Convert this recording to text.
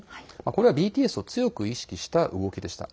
これはＢＴＳを強く意識した動きでした。